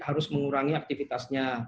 harus mengurangi aktivitasnya